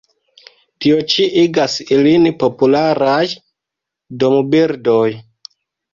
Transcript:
Tio ĉi igas ilin popularaj dombirdoj.